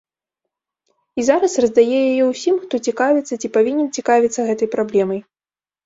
І зараз раздае яе ўсім, хто цікавіцца ці павінен цікавіцца гэтай праблемай.